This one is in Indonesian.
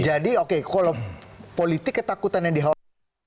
jadi oke kalau politik ketakutan yang dihawasi